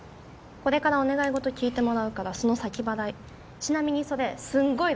これからお願い事聞いてもらうからその先払いちなみにそれすんごい